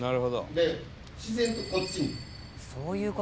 で自然とこっちに向かう。